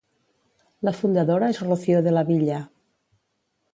La fundadora és Rocío de la Villa.